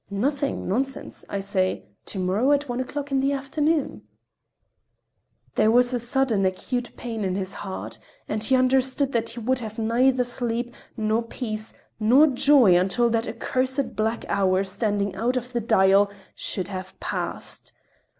"Nothing, nonsense. I say: to morrow, at one o'clock in the afternoon!" There was a sudden, acute pain in his heart—and he understood that he would have neither sleep, nor peace, nor joy until that accursed black hour standing out of the dial should have passed.